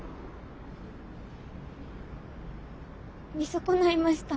見損ないました。